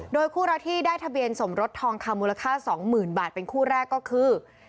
โดยคู่รักที่ได้ทะเบียนสมรสทองคำมูลค่า๒๐๐๐บาทเป็นคู่แรกก็คือ